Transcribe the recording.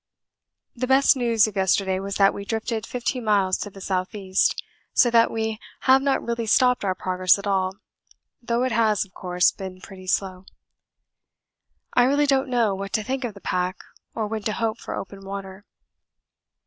The best news of yesterday was that we drifted 15 miles to the S.E., so that we have not really stopped our progress at all, though it has, of course, been pretty slow. I really don't know what to think of the pack, or when to hope for open water.